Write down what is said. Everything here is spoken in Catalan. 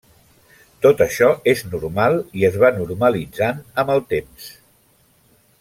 Tot això és normal i es va normalitzant amb el temps.